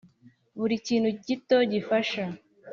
buri kintu gito gifasha